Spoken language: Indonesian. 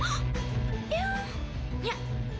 udah deh lu nggak usah banyak ngomong